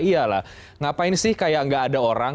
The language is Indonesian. iya lah ngapain sih kayak gak ada orang